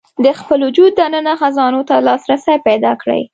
د خپل وجود دننه خزانو ته لاسرسی پيدا کړي.